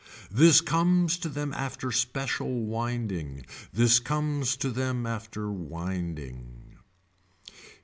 This comes to them after special winding. This comes to them after winding.